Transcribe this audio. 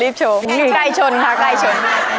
รีบโชว์ใกล้ชนค่ะใกล้ชน